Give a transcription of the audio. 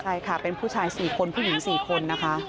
ใช่ค่ะเป็นผู้ชาย๔คนผู้หญิง๔คนนะคะ